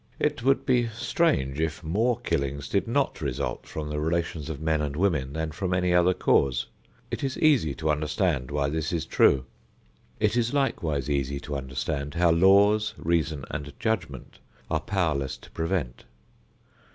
It would be strange if more killings did not result from the relations of men and women than from any other cause. It is easy to understand why this is true. It is likewise easy to understand how laws, reason and judgment are powerless to prevent.